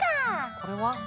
これは？